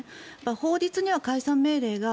法律には解散命令が